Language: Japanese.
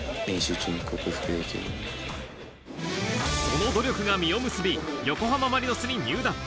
その努力が実を結び、横浜マリノスに入団。